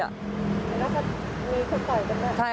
มีคนต่อยกันนะ